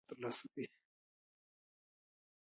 که انسان استقامت وکړي، د خداي رضا ترلاسه کوي.